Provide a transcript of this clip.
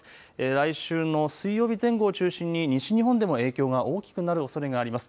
来週の水曜日前後を中心に西日本でも影響が大きくなるおそれがあります。